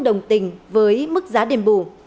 đồng tình với mức giá đền bù